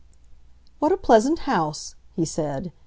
"What a pleasant house!" he said.